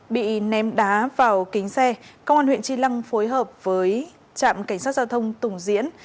bị ném đá vào kính xe công an huyện tri lăng phối hợp với trạm cảnh sát giao thông tùng diễn